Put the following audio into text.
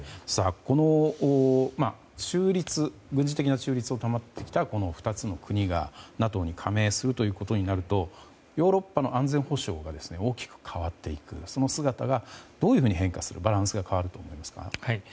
この軍事的な中立を保ってきた２つの国がＮＡＴＯに加盟するということになるとヨーロッパの安全保障が大きく変わっていく、その姿がどういうふうに変化するバランスが変わると思いますか？